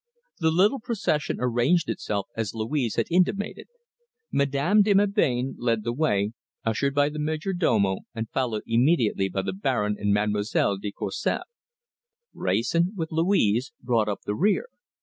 The little procession arranged itself as Louise had intimated. Madame de Melbain led the way, ushered by the major domo and followed immediately by the Baron and Mademoiselle de Courcelles. Wrayson, with Louise, brought up the rear.